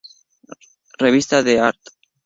Revista d'Art".